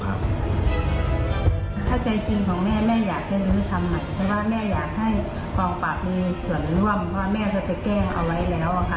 เพราะว่าแม่อยากให้ปองปากมีส่วนร่วมเพราะว่าแม่เค้าไปแก้งเอาไว้แล้วค่ะ